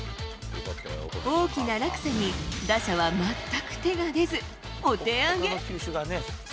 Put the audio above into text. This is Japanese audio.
大きな落差に、打者は全く手が出ず、お手上げ。